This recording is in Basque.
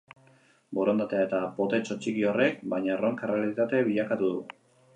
Borondatea eta potetxo txiki horrek, baina, erronka errealitate bilakatu du.